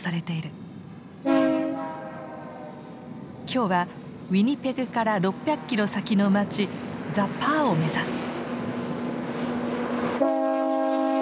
今日はウィニペグから６００キロ先の町ザ・パーを目指す。